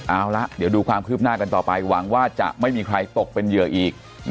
เอาละเดี๋ยวดูความคืบหน้ากันต่อไปหวังว่าจะไม่มีใครตกเป็นเหยื่ออีก